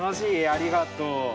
ありがとう。